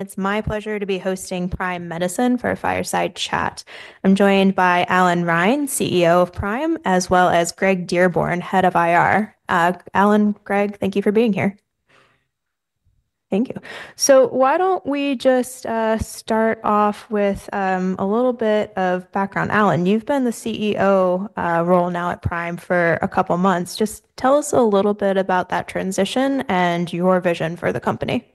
It's my pleasure to host Prime Medicine for a fireside chat. I'm joined by Allan Reine, CEO of Prime Medicine, and Greg Dearborn, Head of Investor Relations. Allan, Greg, thank you for being here. Thank you. Why don't we start off with a little bit of background? Allan, you've been in the CEO role at Prime for a couple of months. Tell us a little about that transition and your vision for the company.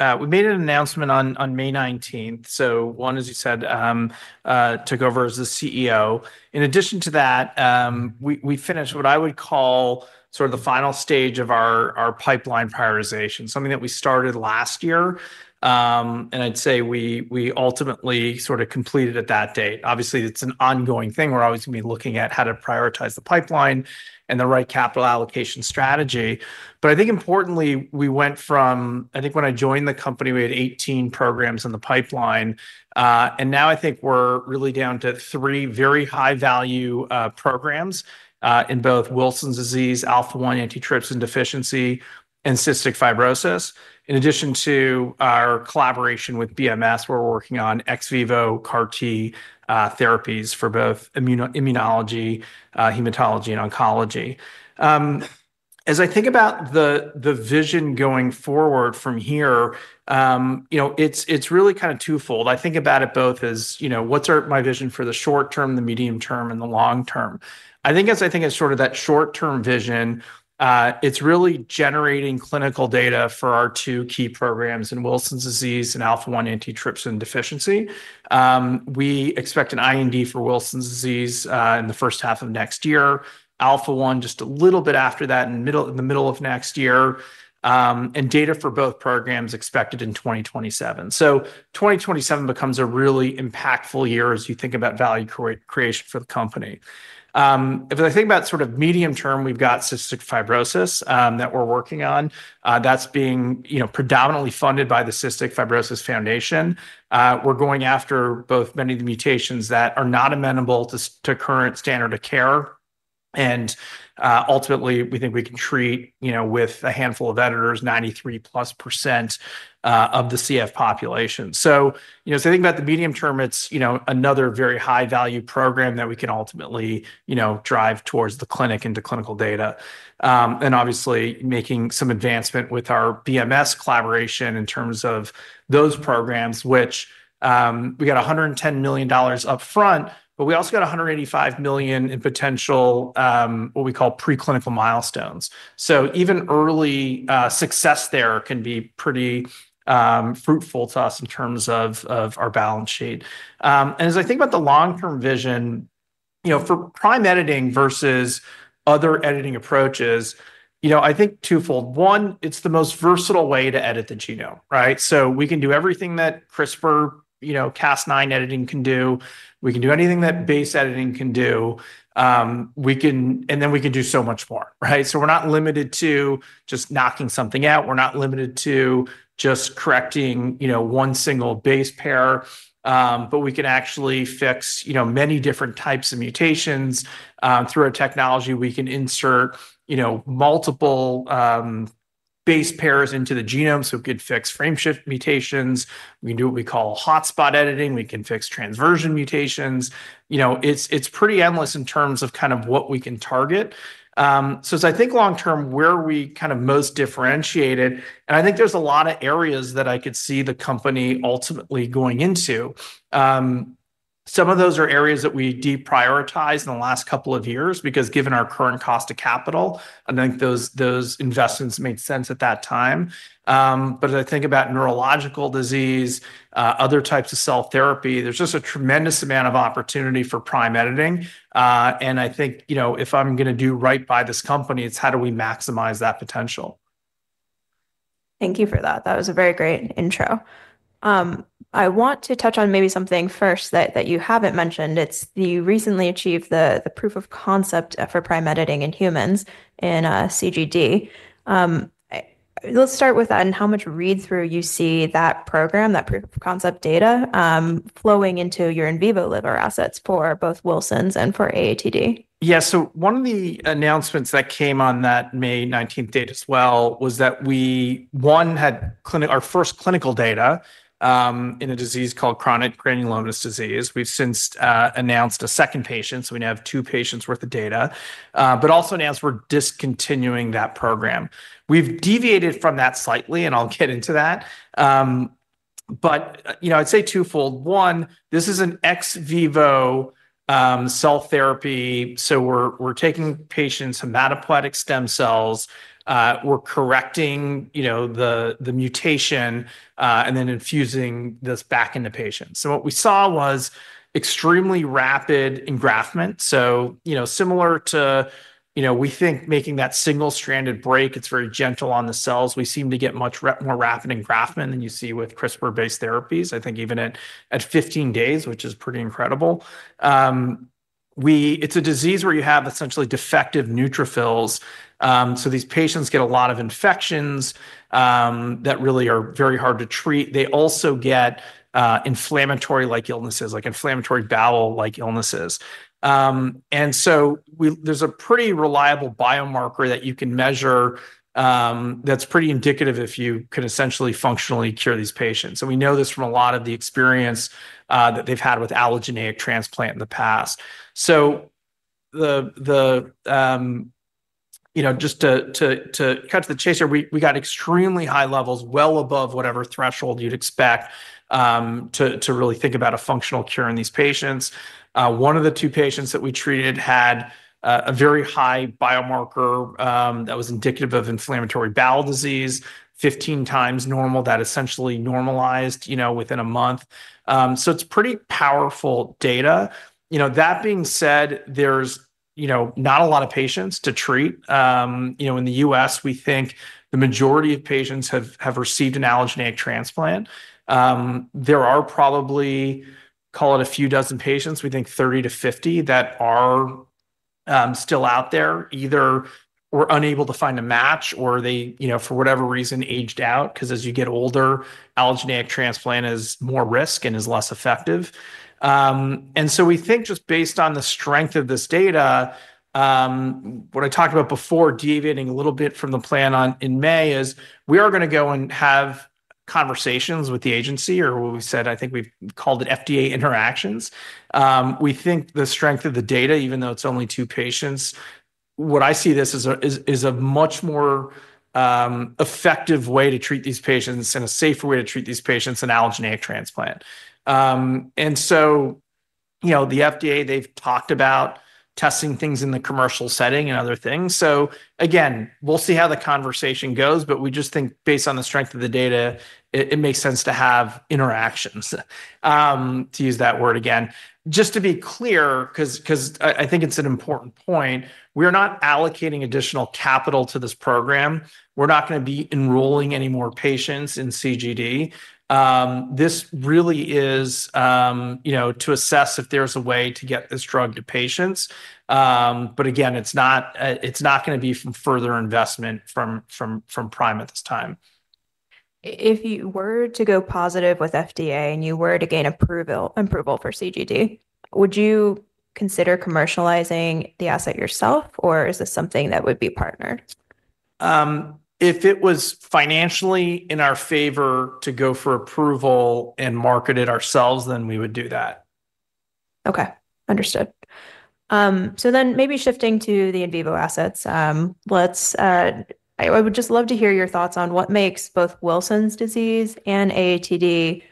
We announced on May 19th. As you said, I took over as the CEO. In addition to that, we finished what I would call the final stage of our pipeline prioritization, something that we started last year. I'd say we ultimately completed by that date. Obviously, it's an ongoing thing. We're always going to be looking at how to prioritize the pipeline and the right capital allocation strategy. I think importantly, we went from, I think when I joined the company, we had 18 programs in the pipeline, and now I think we're really down to three very high-value programs in both Wilson's disease, Alpha-1 antitrypsin deficiency, and cystic fibrosis. In addition to our collaboration with BMS, where we're working on ex vivo CAR-T therapies for immunology, hematology, and oncology. As I think about the vision going forward from here, it's really kind of twofold. I think about it both as what's my vision for the short term, the medium term, and the long term. As I think of that short-term vision, it's really generating clinical data for our two key programs in Wilson's disease and Alpha-1 antitrypsin deficiency. We expect an IND for Wilson's disease in the first half of next year, Alpha-1 just a little bit after that in the middle of next year, and data for both programs expected in 2027. 2027 becomes a really impactful year as you think about value creation for the company. If I think about the medium term, we've got cystic fibrosis that we're working on. That's being predominantly funded by the Cystic Fibrosis Foundation. We're going after many of the mutations that are not amenable to the current standard of care. Ultimately, we think we can treat, with a handful of editors, 93+% of the CF population. As I think about the medium term, it's another very high value program that we can ultimately drive towards the clinic into clinical data. Obviously, making some advancement with our BMS collaboration in terms of those programs, we got $110 million upfront, but we also got $185 million in potential, which we call preclinical milestones. Even early success there can be pretty fruitful to us in terms of our balance sheet. As I think about the long-term vision for Prime Editing versus other editing approaches, I think twofold. One, it's the most versatile way to edit the genome, right? We can do everything that CRISPR-Cas9 editing can do. We can do anything that base editing can do, and then we can do so much more, right? We're not limited to just knocking something out. We're not limited to just correcting one single base pair, but we can actually fix many different types of mutations. Through our technology, we can insert multiple base pairs into the genome. We could fix frameshift mutations. We can do what we call hotspot editing. We can fix transversion mutations. It's pretty endless in terms of what we can target. As I think long term, where we most differentiate, I think there is a lot of areas that I could see the company ultimately going into. Some of those are areas that we deprioritized in the last couple of years because, given our current cost of capital, I think those investments made sense at that time. As I think about neurological disease and other types of cell therapy, there's just a tremendous amount of opportunity for Prime Editing. I think if I'm going to do right by this company, it's how do we maximize that potential? Thank you for that. That was a very great intro. I want to touch on maybe something first that you haven't mentioned. You recently achieved the proof of concept for Prime Editing in humans in CGD. Let's start with that and how much read-through you see that program, that proof of concept data, flowing into your in vivo liver assets for both Wilson's and for AATD. Yeah, so one of the announcements that came on that May 19th date as well was that we had our first clinical data in a disease called chronic granulomatous disease. We've since announced a second patient, so we now have two patients' worth of data, but also announced we're discontinuing that program. We've deviated from that slightly, and I'll get into that. I'd say twofold. One, this is an ex vivo cell therapy. We're taking patients' hematopoietic stem cells, we're correcting the mutation, and then infusing this back into patients. What we saw was extremely rapid engraftment. Similar to making that single-stranded break, it's very gentle on the cells. We seem to get much more rapid engraftment than you see with CRISPR-based therapies. I think even at 15 days, which is pretty incredible. It's a disease where you have essentially defective neutrophils, so these patients get a lot of infections that really are very hard to treat. They also get inflammatory-like illnesses, like inflammatory bowel-like illnesses. There's a pretty reliable biomarker that you can measure that's pretty indicative if you could essentially functionally cure these patients. We know this from a lot of the experience that they've had with allogeneic transplant in the past. Just to cut to the chase here, we got extremely high levels, well above whatever threshold you'd expect, to really think about a functional cure in these patients. One of the two patients that we treated had a very high biomarker that was indicative of inflammatory bowel disease, 15 times normal. That essentially normalized within a month. It's pretty powerful data. That being said, there aren't a lot of patients to treat. In the U.S., we think the majority of patients have received an allogeneic transplant. There are probably, call it a few dozen patients, we think 30- 50 that are still out there. Either were unable to find a match or they, for whatever reason, aged out, because as you get older, an allogeneic transplant is more risk and is less effective. We think just based on the strength of this data, what I talked about before, deviating a little bit from the plan in May is we are going to go and have conversations with the agency, or what we said, I think we've called it FDA interactions. We think the strength of the data, even though it's only two patients, is that I see this as a much more effective way to treat these patients and a safer way to treat these patients in an they allogeneic transplant. You know, the FDA, they've talked about testing things in the commercial setting and other things. We'll see how the conversation goes, but we just think based on the strength of the data, it makes sense to have interactions, to use that word again. Just to be clear, because I think it's an important point, we are not allocating additional capital to this program. We're not going to be enrolling any more patients in CGD. This really is to assess if there's a way to get this drug to patients, but again, it's not going to be from further investment from Prime Medicine at this time. If you were to go positive with FDA and you were to gain approval for CGD, would you consider commercializing the asset yourself, or is this something that would be partnered? If it were financially in our favor to go for approval and market it ourselves, then we would do that. Okay, understood. Maybe shifting to the in vivo assets, I would just love to hear your thoughts on what makes both Wilson's disease and AATD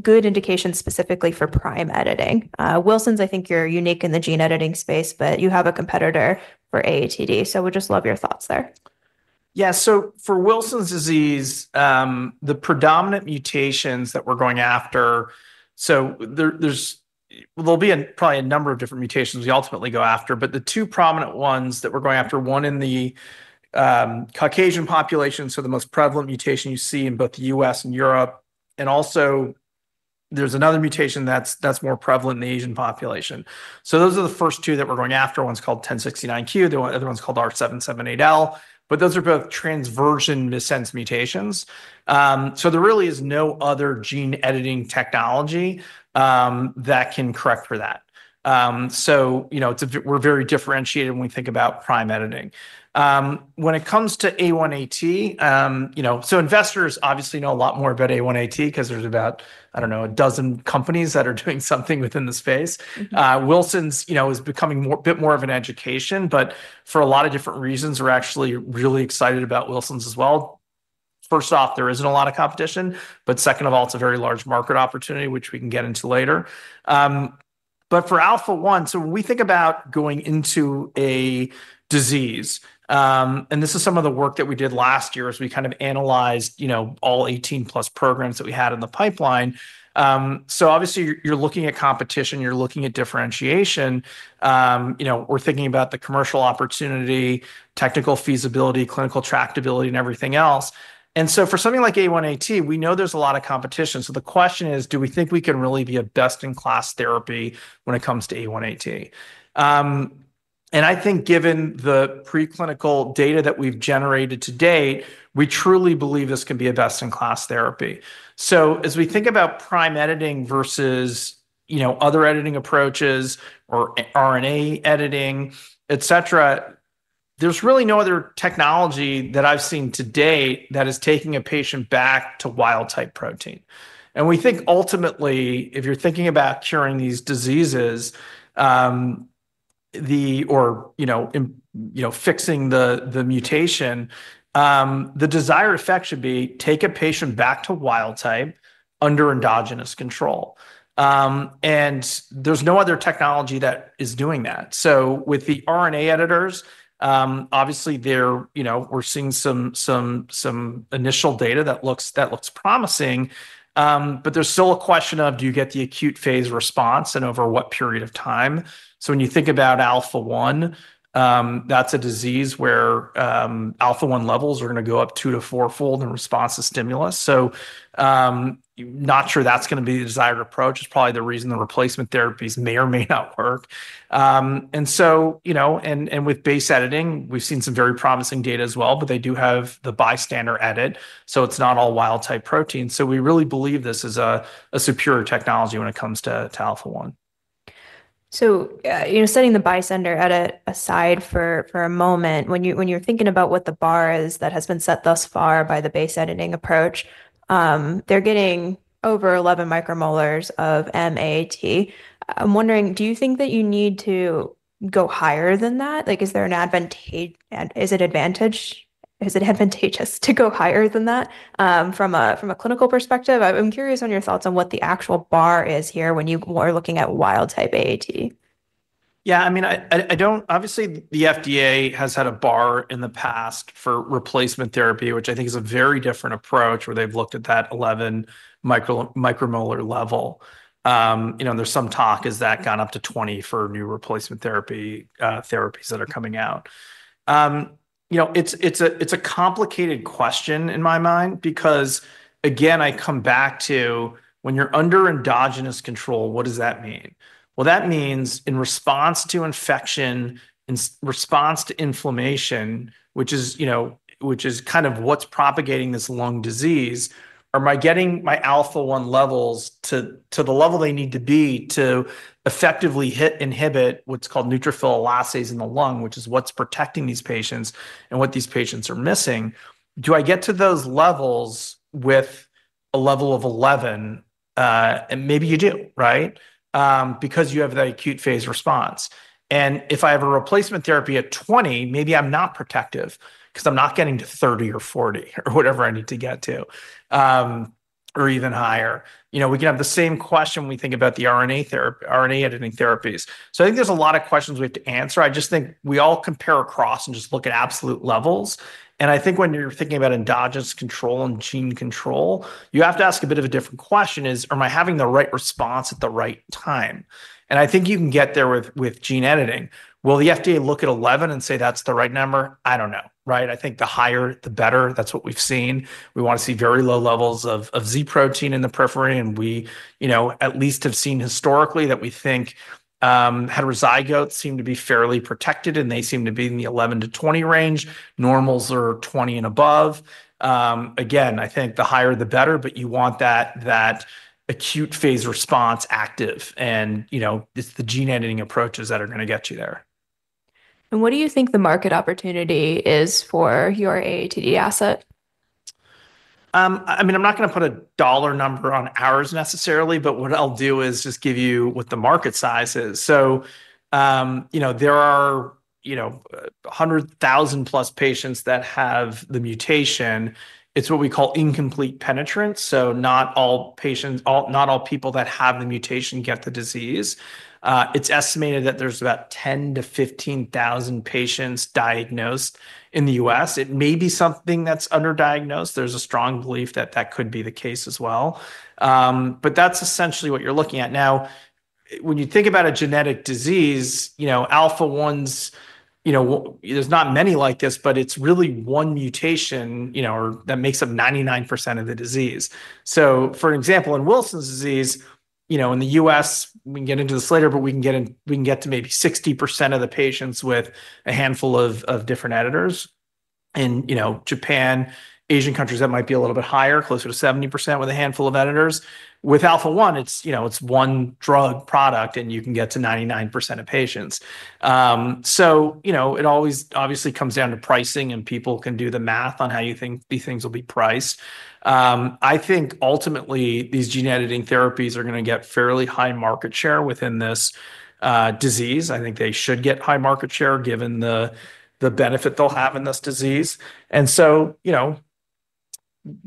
good indications specifically for Prime Editing. Wilson's, I think you're unique in the gene editing space, but you have a competitor for AATD. I would just love your thoughts there. Yeah, so for Wilson's disease, the predominant mutations that we're going after, there will be probably a number of different mutations we ultimately go after, but the two prominent ones that we're going after, one in the Caucasian population, so the most prevalent mutation you see in both the U.S. and Europe, and also there's another mutation that's more prevalent in the Asian population. Those are the first two that we're going after. One's called 1069Q, the other one's called R778L, but those are both transversion missense mutations. There really is no other gene editing technology that can correct for that. We're very differentiated when we think about Prime Editing. When it comes to A1AT, investors obviously know a lot more about A1AT because there's about, I don't know, a dozen companies that are doing something within the space. Wilson's is becoming a bit more of an education, but for a lot of different reasons, we're actually really excited about Wilson's as well. First off, there isn't a lot of competition, but second of all, it's a very large market opportunity, which we can get into later. For Alpha 1, when we think about going into a disease, and this is some of the work that we did last year as we kind of analyzed all 18+ programs that we had in the pipeline, obviously you're looking at competition, you're looking at differentiation. We're thinking about the commercial opportunity, technical feasibility, clinical tractability, and everything else. For something like A1AT, we know there's a lot of competition. The question is, do we think we can really be a best-in-class therapy when it comes to A1AT? I think given the preclinical data that we've generated to date, we truly believe this can be a best-in-class therapy. As we think about Prime Editing versus other editing approaches or RNA editing, etc., there's really no other technology that I've seen to date that is taking a patient back to wild-type protein. We think ultimately, if you're thinking about curing these diseases, or fixing the mutation, the desired effect should be take a patient back to wild-type under endogenous control. There's no other technology that is doing that. With the RNA editors, obviously we're seeing some initial data that looks promising. There's still a question of, do you get the acute phase response and over what period of time? When you think about Alpha-1, that's a disease where Alpha-1 levels are going to go up two to fourfold in response to stimulus. Not sure that's going to be the desired approach. It's probably the reason the replacement therapies may or may not work. With base editing, we've seen some very promising data as well, but they do have the bystander edit, so it's not all wild-type protein. We really believe this is a secure technology when it comes to Alpha-1. Setting the bystander edit aside for a moment, when you're thinking about what the bar is that has been set thus far by the base editing approach, they're getting over 11 µM of MAT. I'm wondering, do you think that you need to go higher than that? Is there an advantage? Is it advantageous to go higher than that from a clinical perspective? I'm curious about your thoughts on what the actual bar is here when you are looking at wild-type AAT. Yeah, I mean, I don't, obviously, the FDA has had a bar in the past for replacement therapy, which I think is a very different approach where they've looked at that 11 micromolar level. You know, and there's some talk, has that gone up to 20 for new replacement therapies that are coming out. You know, it's a complicated question in my mind because again, I come back to when you're under endogenous control, what does that mean? That means in response to infection and response to inflammation, which is kind of what's propagating this lung disease, am I getting my Alpha-1 levels to the level they need to be to effectively inhibit what's called neutrophil elastase in the lung, which is what's protecting these patients and what these patients are missing. Do I get to those levels with a level of 11? Maybe you do, right? Because you have that acute phase response. If I have a replacement therapy at 20, maybe I'm not protective because I'm not getting to 30 or 40 or whatever I need to get to, or even higher. You know, we can have the same question when we think about the RNA therapy, RNA editing therapies. I think there's a lot of questions we have to answer. I just think we all compare across and just look at absolute levels. I think when you're thinking about endogenous control and gene control, you have to ask a bit of a different question: am I having the right response at the right time? I think you can get there with gene editing. Will the FDA look at 11 and say that's the right number? I don't know, right? I think the higher, the better. That's what we've seen. We want to see very low levels of Z protein in the periphery. We, at least, have seen historically that we think heterozygotes seem to be fairly protected and they seem to be in the 11 - 20 range. Normals are 20 and above. Again, I think the higher the better, but you want that acute phase response active and it's the gene editing approaches that are going to get you there. What do you think the market opportunity is for your AATD asset? I'm not going to put a dollar number on ours necessarily, but what I'll do is just give you what the market size is. There are a hundred thousand plus patients that have the mutation. It's what we call incomplete penetrance. Not all patients, not all people that have the mutation get the disease. It's estimated that there's about 10,000- 15,000 patients diagnosed in the U.S. It may be something that's underdiagnosed. There's a strong belief that could be the case as well. That's essentially what you're looking at. Now, when you think about a genetic disease, Alpha-1s, there aren't many like this, but it's really one mutation that makes up 99% of the disease. For example, in Wilson's disease, in the U.S., we can get into this later, but we can get to maybe 60% of the patients with a handful of different editors. In Japan, Asian countries, that might be a little bit higher, closer to 70% with a handful of editors. With Alpha-1, it's one drug product and you can get to 99% of patients. It always obviously comes down to pricing and people can do the math on how you think these things will be priced. I think ultimately these gene editing therapies are going to get fairly high market share within this disease. I think they should get high market share given the benefit they'll have in this disease.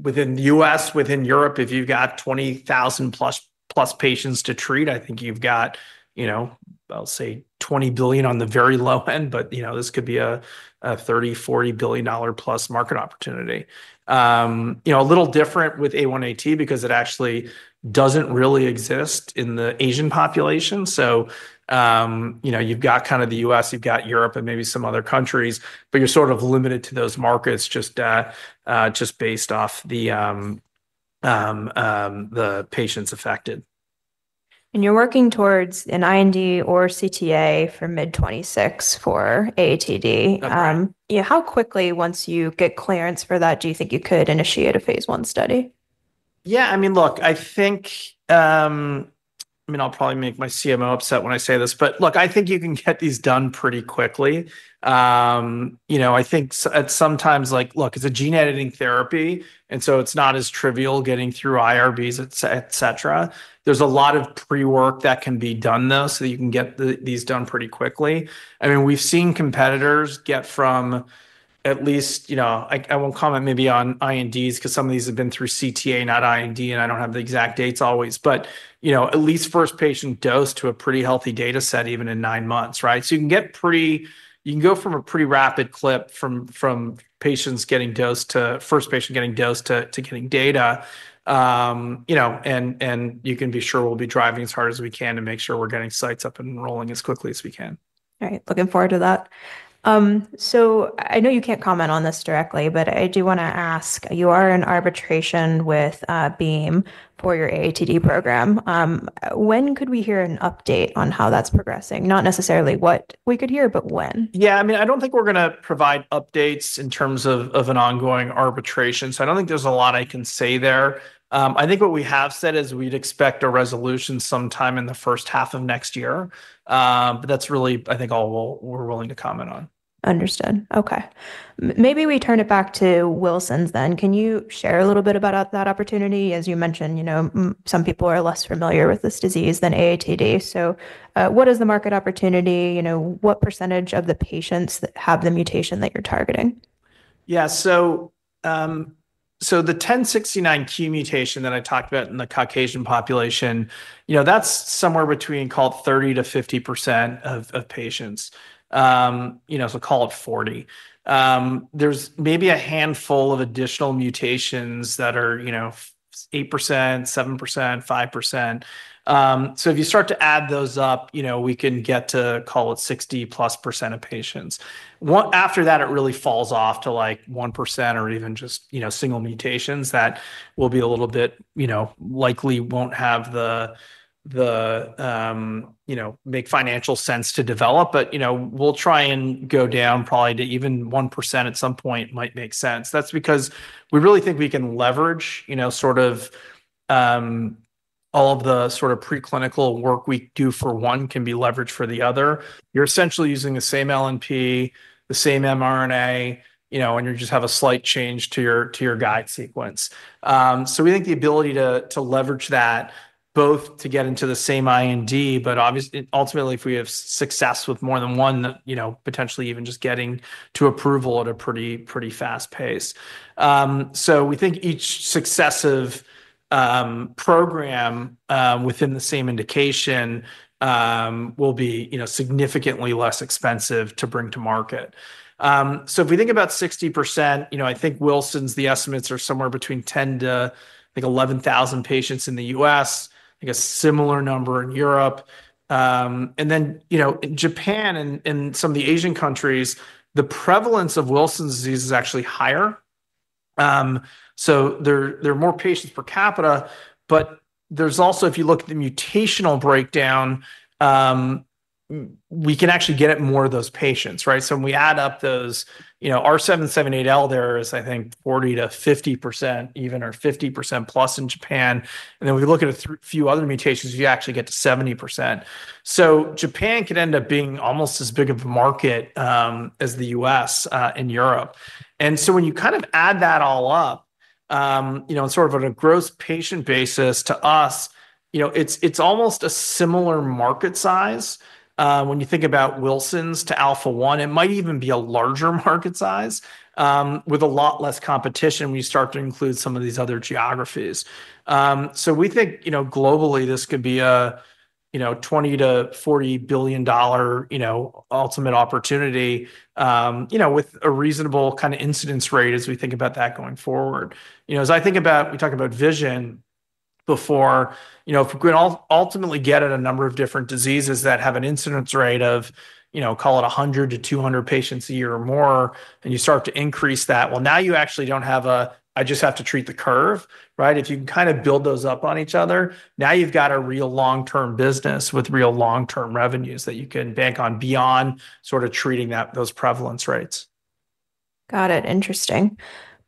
Within the U.S., within Europe, if you've got 20,000 plus patients to treat, I think you've got, I'll say $20 billion on the very low end, but this could be a $30 billion- $40 billion plus market opportunity. It's a little different with A1AT because it actually doesn't really exist in the Asian population. You've got the U.S., you've got Europe and maybe some other countries, but you're sort of limited to those markets just based off the patients affected. You're working towards an IND or CTA for mid 2026 for AATD. Yeah, how quickly, once you get clearance for that, do you think you could initiate a phase one study? Yeah, I mean, look, I think I'll probably make my CMO upset when I say this, but look, I think you can get these done pretty quickly. I think at sometimes, like, look, it's a gene editing therapy, and so it's not as trivial getting through IRBs, et cetera. There's a lot of pre-work that can be done though, so that you can get these done pretty quickly. We've seen competitors get from at least, you know, I won't comment maybe on INDs because some of these have been through CTA, not IND, and I don't have the exact dates always, but at least first patient dose to a pretty healthy data set even in nine months, right? You can go from a pretty rapid clip from patients getting dosed to first patient getting dosed to getting data. You can be sure we'll be driving as hard as we can to make sure we're getting sites up and rolling as quickly as we can. All right, looking forward to that. I know you can't comment on this directly, but I do want to ask, you are in arbitration with BEAM for your AATD program. When could we hear an update on how that's progressing? Not necessarily what we could hear, but when? Yeah, I mean, I don't think we're going to provide updates in terms of an ongoing arbitration. I don't think there's a lot I can say there. I think what we have said is we'd expect a resolution sometime in the first half of next year. That's really, I think, all we're willing to comment on. Understood. Okay. Maybe we turn it back to Wilson's then. Can you share a little bit about that opportunity? As you mentioned, some people are less familiar with this disease than AATD. What is the market opportunity? What % of the patients have the mutation that you're targeting? Yeah, so the 1069Q mutation that I talked about in the Caucasian population, you know, that's somewhere between, call it, 30% to 50% of patients, you know, so call it 40%. There's maybe a handful of additional mutations that are, you know, 8%, 7%, 5%. If you start to add those up, you know, we can get to, call it, 60% plus of patients. After that, it really falls off to like 1% or even just, you know, single mutations that will be a little bit, you know, likely won't have the, you know, make financial sense to develop, but, you know, we'll try and go down probably to even 1% at some point, might make sense. That's because we really think we can leverage, you know, sort of, all of the sort of preclinical work we do for one can be leveraged for the other. You're essentially using the same LNP, the same mRNA, you know, and you just have a slight change to your guide sequence. We think the ability to leverage that both to get into the same IND, but obviously ultimately if we have success with more than one, you know, potentially even just getting to approval at a pretty, pretty fast pace. We think each successive program within the same indication will be, you know, significantly less expensive to bring to market. If we think about 60%, you know, I think Wilson's, the estimates are somewhere between 10,000 to, I think, 11,000 patients in the U.S., I think a similar number in Europe. In Japan and some of the Asian countries, the prevalence of Wilson's disease is actually higher. There are more patients per capita, but there's also, if you look at the mutational breakdown, we can actually get at more of those patients, right? When we add up those, you know, R778L, there is, I think, 40% to 50% even, or 50% plus in Japan. Then we look at a few other mutations, you actually get to 70%. Japan could end up being almost as big of a market as the U.S. and Europe. When you kind of add that all up, you know, it's sort of on a gross patient basis to us, you know, it's almost a similar market size. When you think about Wilson's to Alpha-1, it might even be a larger market size, with a lot less competition when you start to include some of these other geographies. We think, globally this could be a $20 to $40 billion ultimate opportunity, with a reasonable kind of incidence rate as we think about that going forward. As I think about, we talk about vision before, if we ultimately get at a number of different diseases that have an incidence rate of, call it, 100 to 200 patients a year or more, and you start to increase that, now you actually don't have a, I just have to treat the curve, right? If you can kind of build those up on each other, now you've got a real long-term business with real long-term revenues that you can bank on beyond sort of treating those prevalence rates. Got it. Interesting.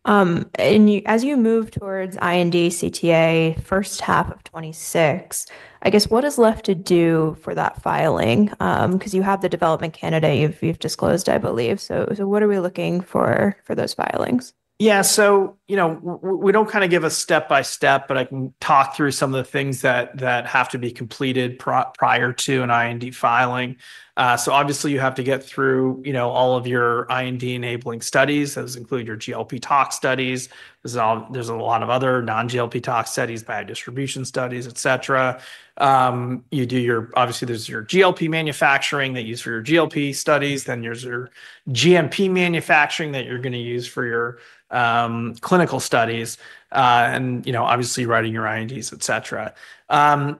As you move towards IND, CTA, first half of 2026, I guess what is left to do for that filing? You have the development candidate you've disclosed, I believe. What are we looking for for those filings? Yeah, you know, we don't kind of give a step by step, but I can talk through some of the things that have to be completed prior to an IND filing. Obviously, you have to get through all of your IND enabling studies. Those include your GLP tox studies. There's a lot of other non-GLP tox studies, biodistribution studies, et cetera. You do your GLP manufacturing that you use for your GLP studies. Then there's your GMP manufacturing that you're going to use for your clinical studies. Obviously, writing your INDs, et cetera. There are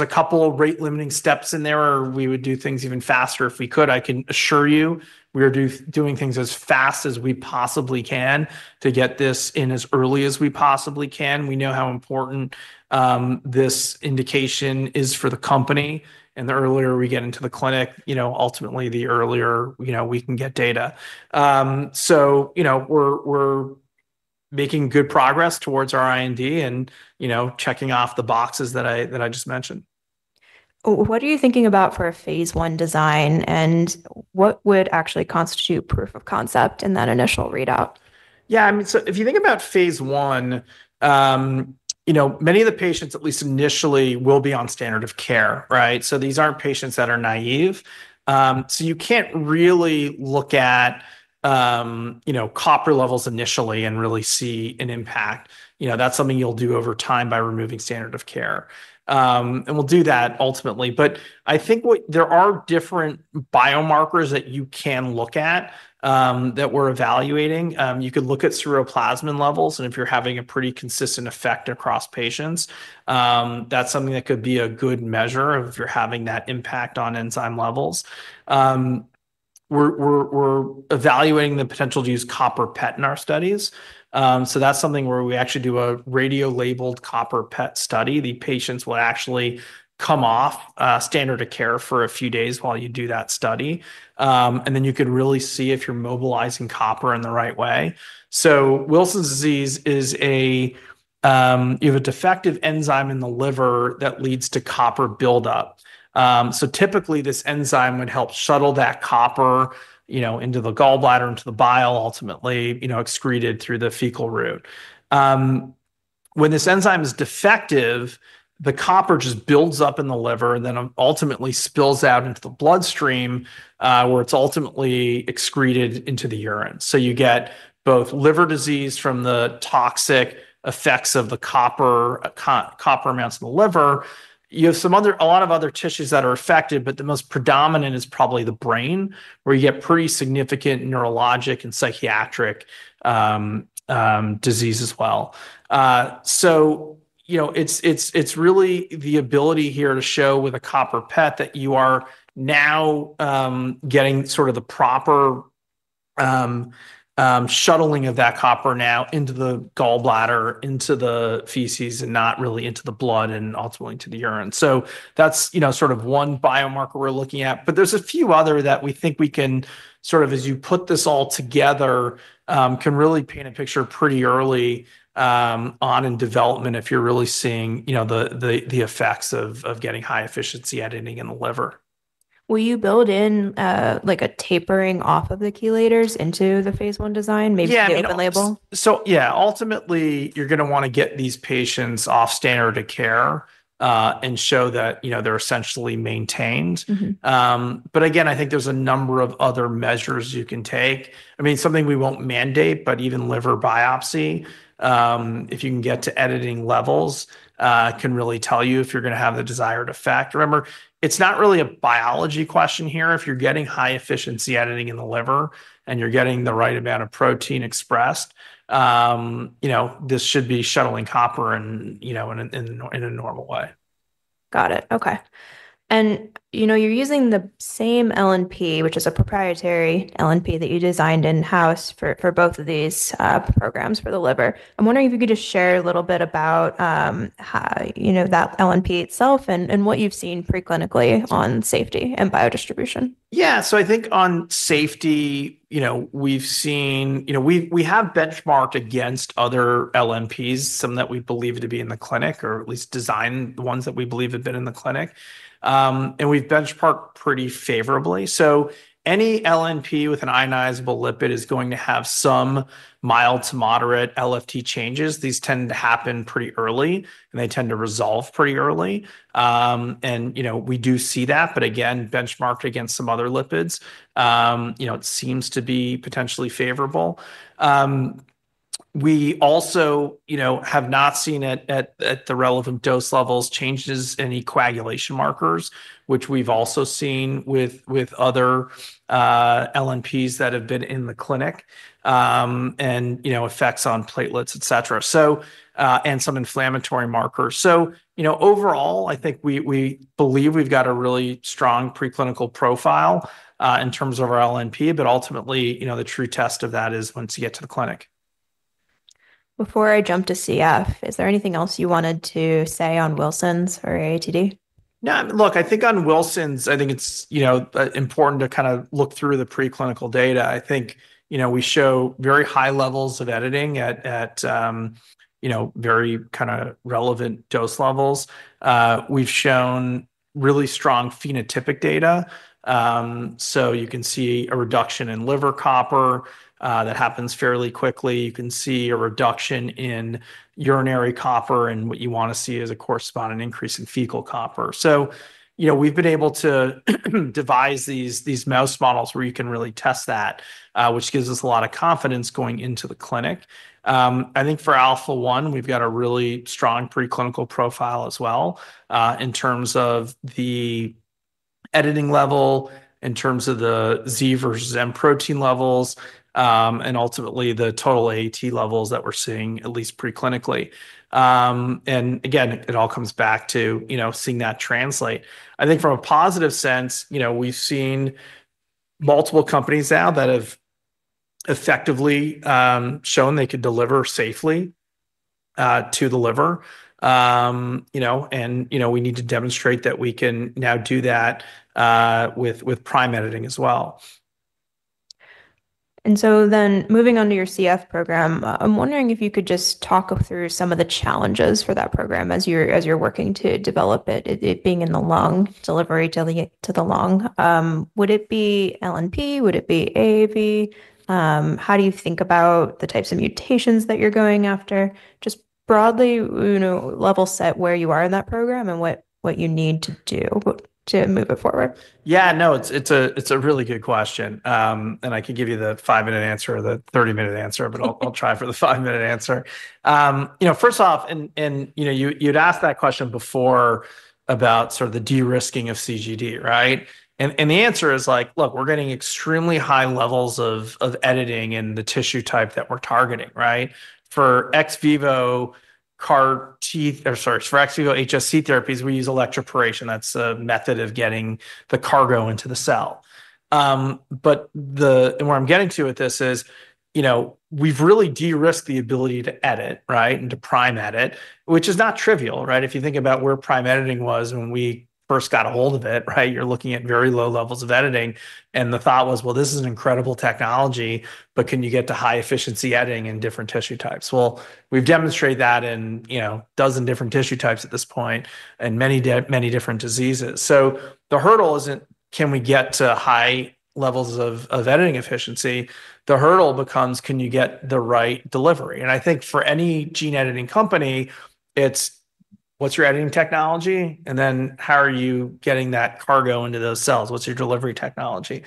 a couple rate limiting steps in there, or we would do things even faster if we could. I can assure you we are doing things as fast as we possibly can to get this in as early as we possibly can. We know how important this indication is for the company, and the earlier we get into the clinic, ultimately the earlier we can get data. We're making good progress towards our IND and checking off the boxes that I just mentioned. What are you thinking about for a phase one design, and what would actually constitute proof of concept in that initial readout? Yeah, I mean, if you think about phase one, many of the patients, at least initially, will be on standard of care, right? These aren't patients that are naive. You can't really look at copper levels initially and really see an impact. That's something you'll do over time by removing standard of care. We'll do that ultimately, but I think there are different biomarkers that you can look at, that we're evaluating. You can look at ceruloplasmin levels, and if you're having a pretty consistent effect across patients, that's something that could be a good measure of if you're having that impact on enzyme levels. We're evaluating the potential to use copper PET in our studies. That's something where we actually do a radio-labeled copper PET study. The patients will actually come off standard of care for a few days while you do that study, and then you could really see if you're mobilizing copper in the right way. Wilson's disease is a, you have a defective enzyme in the liver that leads to copper buildup. Typically this enzyme would help shuttle that copper into the gallbladder, into the bile, ultimately excreted through the fecal route. When this enzyme is defective, the copper just builds up in the liver and then ultimately spills out into the bloodstream, where it's ultimately excreted into the urine. You get both liver disease from the toxic effects of the copper amounts in the liver. You have a lot of other tissues that are affected, but the most predominant is probably the brain where you get pretty significant neurologic and psychiatric disease as well. It's really the ability here to show with a copper PET that you are now getting sort of the proper shuttling of that copper now into the gallbladder, into the feces, and not really into the blood and ultimately to the urine. That's one biomarker we're looking at, but there are a few others that we think we can sort of, as you put this all together, can really paint a picture pretty early on in development if you're really seeing the effects of getting high efficiency editing in the liver. Will you build in, like, a tapering off of the chelators into the phase one design? Maybe chelate the label? Ultimately, you're going to want to get these patients off standard of care and show that, you know, they're essentially maintained. I think there's a number of other measures you can take. I mean, something we won't mandate, but even liver biopsy, if you can get to editing levels, can really tell you if you're going to have the desired effect. Remember, it's not really a biology question here. If you're getting high efficiency editing in the liver and you're getting the right amount of protein expressed, you know, this should be shuttling copper in, you know, in a normal way. Got it. Okay. You're using the same LNP, which is a proprietary LNP that you designed in-house for both of these programs for the liver. I'm wondering if you could just share a little bit about how that LNP itself and what you've seen preclinically on safety and biodistribution. Yeah, so I think on safety, we've seen, we have benchmarked against other LNPs, some that we believe to be in the clinic, or at least designed the ones that we believe have been in the clinic, and we've benchmarked pretty favorably. Any LNP with an ionizable lipid is going to have some mild to moderate LFT changes. These tend to happen pretty early, and they tend to resolve pretty early. We do see that, but again, benchmarked against some other lipids, it seems to be potentially favorable. We also have not seen at the relevant dose levels changes in any coagulation markers, which we've also seen with other LNPs that have been in the clinic, and effects on platelets, et cetera, and some inflammatory markers. Overall, I think we believe we've got a really strong preclinical profile in terms of our LNP, but ultimately, the true test of that is once you get to the clinic. Before I jump to CF, is there anything else you wanted to say on Wilson's or AATD? No, look, I think on Wilson's, it's important to kind of look through the preclinical data. I think we show very high levels of editing at very kind of relevant dose levels. We've shown really strong phenotypic data. You can see a reduction in liver copper that happens fairly quickly. You can see a reduction in urinary copper, and what you want to see is a corresponding increase in fecal copper. We've been able to devise these mouse models where you can really test that, which gives us a lot of confidence going into the clinic. I think for Alpha-1, we've got a really strong preclinical profile as well, in terms of the editing level, in terms of the Z versus M protein levels, and ultimately the total AAT levels that we're seeing at least preclinically. It all comes back to seeing that translate. I think from a positive sense, we've seen multiple companies now that have effectively shown they could deliver safely to the liver. We need to demonstrate that we can now do that with Prime Editing as well. Moving on to your CF program, I'm wondering if you could just talk through some of the challenges for that program as you're working to develop it, it being in the lung, delivery to the lung. Would it be LNP? Would it be AAV? How do you think about the types of mutations that you're going after? Just broadly, you know, level set where you are in that program and what you need to do to move it forward. Yeah, it's a really good question. I can give you the five-minute answer or the 30-minute answer, but I'll try for the five-minute answer. First off, you asked that question before about sort of the de-risking of CGD, right? The answer is, look, we're getting extremely high levels of editing in the tissue type that we're targeting, right? For ex vivo CAR-T, or sorry, for ex vivo HSC therapies, we use electroporation. That's a method of getting the cargo into the cell. Where I'm getting to with this is we've really de-risked the ability to edit, right? To prime edit, which is not trivial, right? If you think about where Prime Editing was when we first got a hold of it, you're looking at very low levels of editing. The thought was, this is an incredible technology, but can you get to high efficiency editing in different tissue types? We've demonstrated that in a dozen different tissue types at this point and many, many different diseases. The hurdle isn't, can we get to high levels of editing efficiency? The hurdle becomes, can you get the right delivery? I think for any gene editing company, it's, what's your editing technology? How are you getting that cargo into those cells? What's your delivery technology?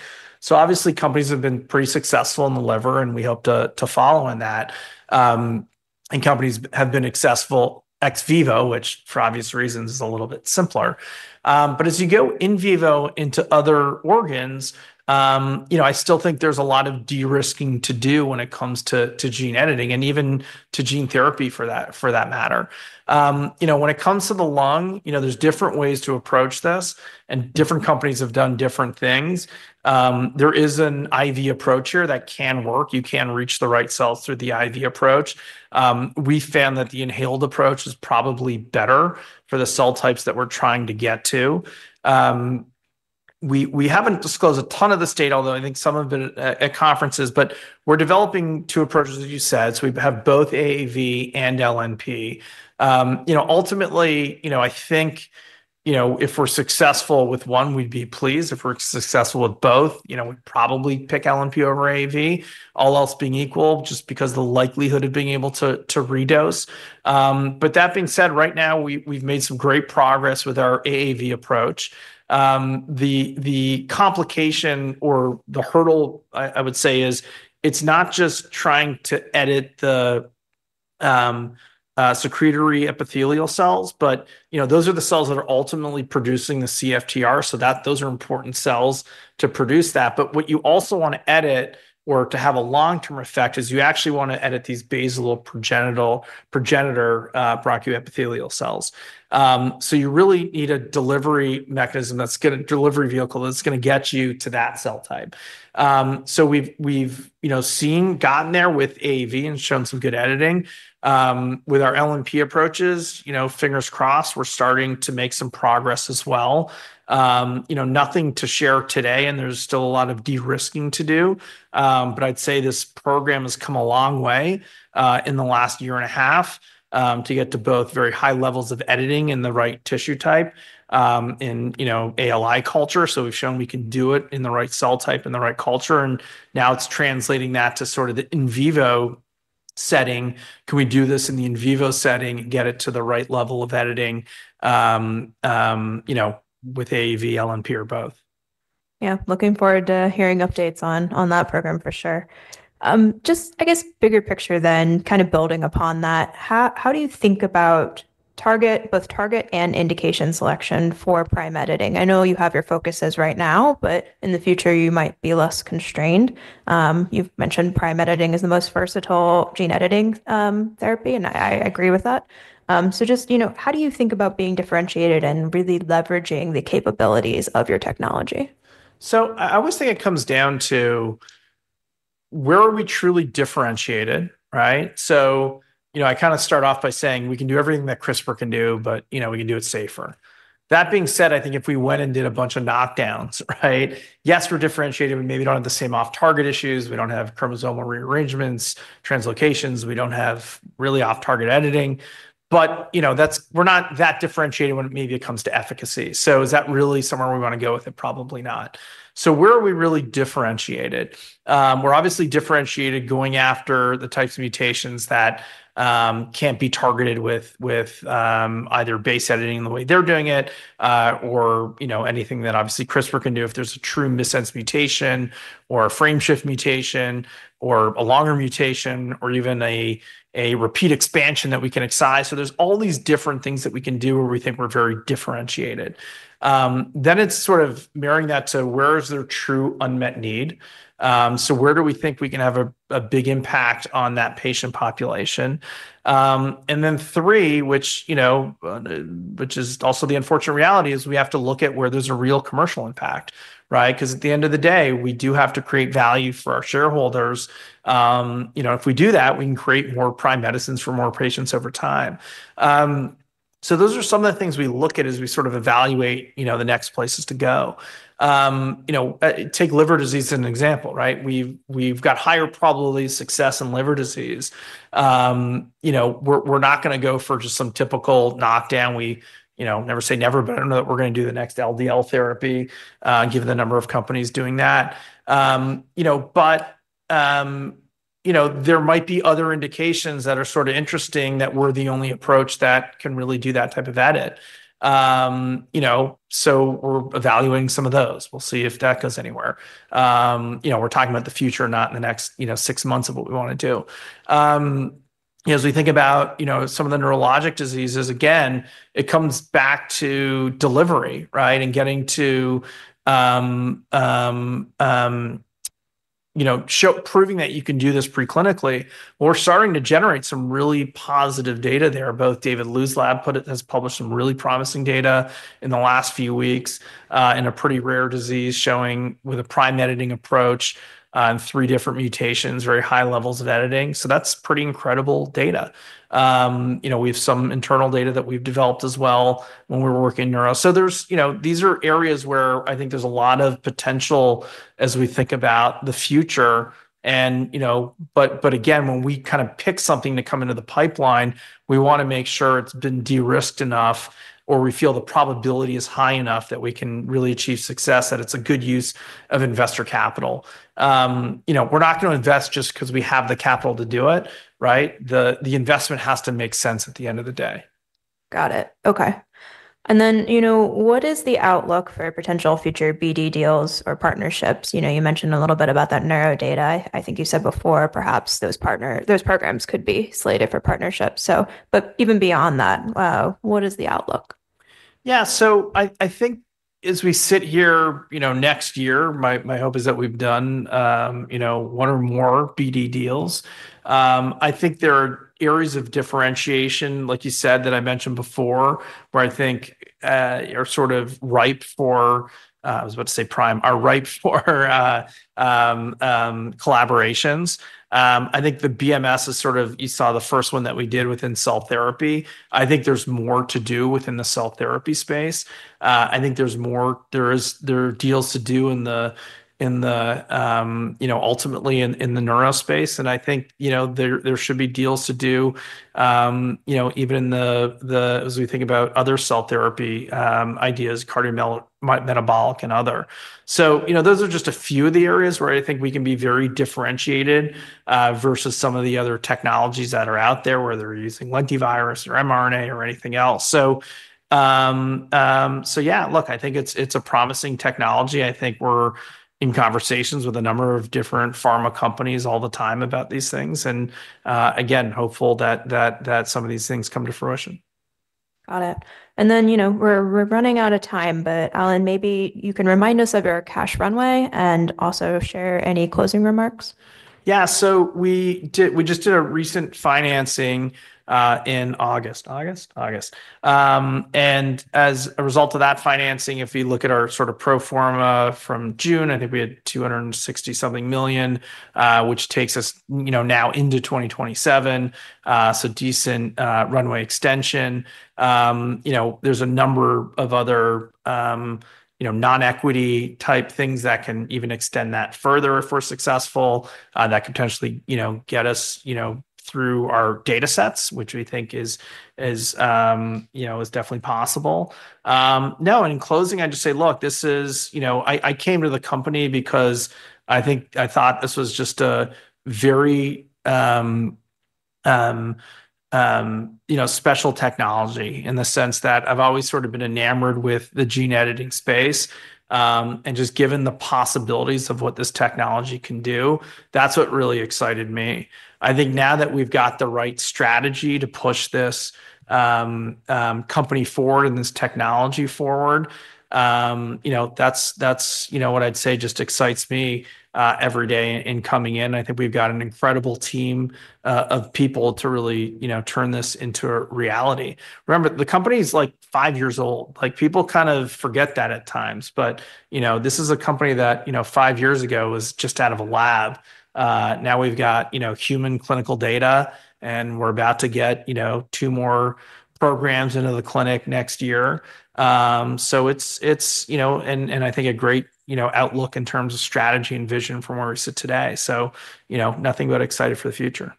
Obviously, companies have been pretty successful in the liver, and we hope to follow in that. Companies have been successful ex vivo, which for obvious reasons is a little bit simpler. As you go in vivo into other organs, I still think there's a lot of de-risking to do when it comes to gene editing and even to gene therapy for that matter. When it comes to the lung, there are different ways to approach this, and different companies have done different things. There is an IV approach here that can work. You can reach the right cells through the IV approach. We found that the inhaled approach is probably better for the cell types that we're trying to get to. We haven't disclosed a ton of the state, although I think some of it at conferences, but we're developing two approaches, as you said. We have both AAV and LNP. Ultimately, I think if we're successful with one, we'd be pleased. If we're successful with both, we'd probably pick LNP over AAV, all else being equal, just because of the likelihood of being able to re-dose. That being said, right now we've made some great progress with our AAV approach. The complication or the hurdle, I would say, is it's not just trying to edit the secretory epithelial cells, but those are the cells that are ultimately producing the CFTR, so those are important cells to produce that. What you also want to edit or to have a long-term effect is you actually want to edit these basal progenitor, brachioepithelial cells. You really need a delivery mechanism that's going to deliver a vehicle that's going to get you to that cell type. We've seen, gotten there with AAV and shown some good editing. With our LNP approaches, fingers crossed, we're starting to make some progress as well. Nothing to share today, and there's still a lot of de-risking to do. I'd say this program has come a long way in the last year and a half to get to both very high levels of editing in the right tissue type in ALI culture. We've shown we can do it in the right cell type and the right culture, and now it's translating that to sort of the in vivo setting. Can we do this in the in vivo setting, get it to the right level of editing with AAV, LNP, or both? Yeah, looking forward to hearing updates on that program for sure. I guess bigger picture then, kind of building upon that. How do you think about target, both target and indication selection for Prime Editing? I know you have your focuses right now, but in the future you might be less constrained. You've mentioned Prime Editing is the most versatile gene editing therapy, and I agree with that. Just, you know, how do you think about being differentiated and really leveraging the capabilities of your technology? I always think it comes down to where are we truly differentiated, right? I kind of start off by saying we can do everything that CRISPR can do, but we can do it safer. That being said, if we went and did a bunch of knockdowns, yes, we're differentiated. We maybe don't have the same off-target issues. We don't have chromosomal rearrangements, translocations. We don't have really off-target editing. That's, we're not that differentiated when maybe it comes to efficacy. Is that really somewhere we want to go with it? Probably not. Where are we really differentiated? We're obviously differentiated going after the types of mutations that can't be targeted with either base editing the way they're doing it, or anything that obviously CRISPR can do if there's a true missense mutation or a frameshift mutation or a longer mutation or even a repeat expansion that we can excise. There are all these different things that we can do where we think we're very differentiated. Then it's sort of mirroring that to where is there true unmet need. Where do we think we can have a big impact on that patient population? The unfortunate reality is we have to look at where there's a real commercial impact, right? Because at the end of the day, we do have to create value for our shareholders. If we do that, we can create more Prime Medicines for more patients over time. Those are some of the things we look at as we sort of evaluate the next places to go. Take liver disease as an example, right? We've got higher probability of success in liver disease. We're not going to go for just some typical knockdown. Never say never, but I don't know that we're going to do the next LDL therapy, given the number of companies doing that. There might be other indications that are sort of interesting that we're the only approach that can really do that type of edit. We're evaluating some of those. We'll see if that goes anywhere. We're talking about the future, not in the next six months of what we want to do. As we think about some of the neurologic diseases, again, it comes back to delivery, right? Getting to show proving that you can do this preclinically. We're starting to generate some really positive data there. Both David Lu's lab has published some really promising data in the last few weeks, in a pretty rare disease showing with a Prime Editing approach, in three different mutations, very high levels of editing. That's pretty incredible data. We have some internal data that we've developed as well when we're working in neuro. These are areas where I think there's a lot of potential as we think about the future. When we kind of pick something to come into the pipeline, we want to make sure it's been de-risked enough or we feel the probability is high enough that we can really achieve success, that it's a good use of investor capital. We're not going to invest just because we have the capital to do it, right? The investment has to make sense at the end of the day. Got it. Okay. What is the outlook for potential future BD deals or partnerships? You mentioned a little bit about that neuro data. I think you said before perhaps those programs could be slated for partnerships. Even beyond that, what is the outlook? Yeah, I think as we sit here, you know, next year, my hope is that we've done, you know, one or more BD deals. I think there are areas of differentiation, like you said, that I mentioned before, where I think are sort of ripe for, I was about to say prime, are ripe for collaborations. I think the BMS is sort of, you saw the first one that we did within cell therapy. I think there's more to do within the cell therapy space. I think there are deals to do in the, you know, ultimately in the neuro space. I think, you know, there should be deals to do, you know, even in the, as we think about other cell therapy ideas, cardiometabolic and other. Those are just a few of the areas where I think we can be very differentiated, versus some of the other technologies that are out there where they're using like the virus or mRNA or anything else. Yeah, look, I think it's a promising technology. I think we're in conversations with a number of different pharma companies all the time about these things. Again, hopeful that some of these things come to fruition. Got it. We're running out of time, but Allan, maybe you can remind us of your cash runway and also share any closing remarks. Yeah, we just did a recent financing in August. As a result of that financing, if you look at our sort of pro forma from June, I think we had $260 something million, which takes us now into 2027. Decent runway extension. There are a number of other non-equity type things that can even extend that further if we're successful, that could potentially get us through our data sets, which we think is definitely possible. In closing, I just say, look, I came to the company because I thought this was just a very special technology in the sense that I've always sort of been enamored with the gene editing space. Just given the possibilities of what this technology can do, that's what really excited me. I think now that we've got the right strategy to push this company forward and this technology forward, that's what I'd say just excites me every day in coming in. I think we've got an incredible team of people to really turn this into a reality. Remember, the company's like five years old. People kind of forget that at times, but this is a company that five years ago was just out of a lab. Now we've got human clinical data, and we're about to get two more programs into the clinic next year. It's a great outlook in terms of strategy and vision from where we sit today. Nothing but excited for the future.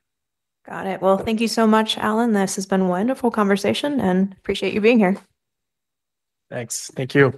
Got it. Thank you so much, Allan. This has been a wonderful conversation and appreciate you being here. Thanks. Thank you.